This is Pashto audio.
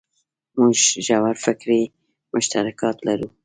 موږ ژور فکري مشترکات لرو.